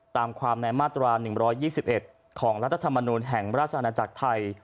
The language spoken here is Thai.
ตามความในมาตรา๑๒๑ของรัฐธรรมนูลแห่งราชอาณาจักรไทย